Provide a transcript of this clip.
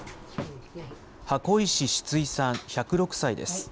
箱石シツイさん１０６歳です。